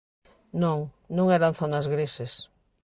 Non, non eran zonas grises.